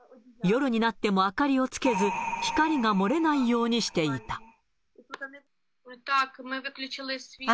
夜になっても明かりをつけず、光が漏れないようにしていた。